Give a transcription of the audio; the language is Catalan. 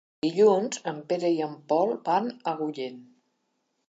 Dilluns en Pere i en Pol van a Agullent.